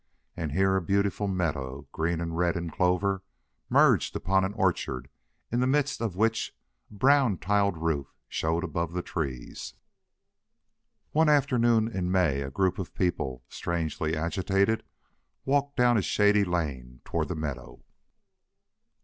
And here a beautiful meadow, green and red in clover, merged upon an orchard in the midst of which a brown tiled roof showed above the trees. One afternoon in May a group of people, strangely agitated, walked down a shady lane toward the meadow.